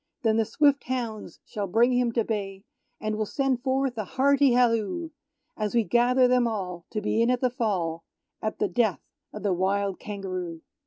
Then the swift hounds shall bring him to bay, And we'll send forth a hearty halloo, As we gather them all to be in at the fall At the death of the wild Kangaroo!